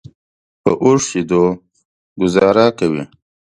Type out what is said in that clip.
په اوښ شیدو ګوزاره کوي.